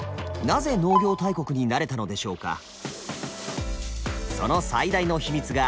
なぜ農業大国になれたのでしょうか。